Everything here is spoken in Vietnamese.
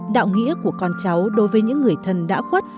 vui vẻ của con cháu đối với những người thân đã khuất